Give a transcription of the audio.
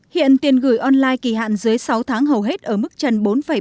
hiện tiền gửi online kỳ hạn dưới sáu tháng hầu hết ở mức chân bốn bảy mươi năm